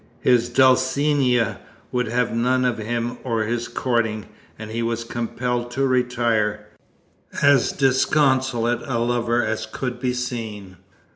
His Dulcinea would have none of him or his courting, and he was compelled to retire, as disconsolate a lover as could be seen.